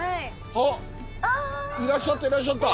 あっいらっしゃったいらっしゃった。